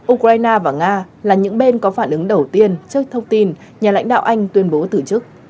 ukraine và nga là những bên có phản ứng đầu tiên trước thông tin nhà lãnh đạo anh tuyên bố từ chức